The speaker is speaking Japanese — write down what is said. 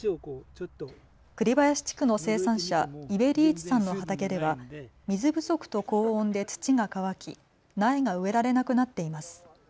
栗林地区の生産者、伊部利一さんの畑では水不足と高温で土が乾き苗が植えられなくなっています。